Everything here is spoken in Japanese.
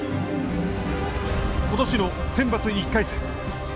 ことしのセンバツ１回戦。